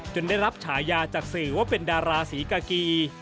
ได้รับฉายาจากสื่อว่าเป็นดาราศรีกากี